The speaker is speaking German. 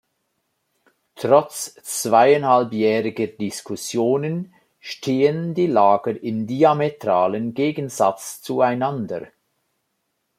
Trotz zweieinhalbjähriger Diskussionen stehen die Lager im diametralen Gegensatz zueinander.